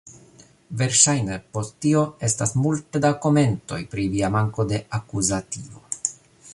Verŝajne, post tio, estas multe da komentoj pri via manko de akuzativo.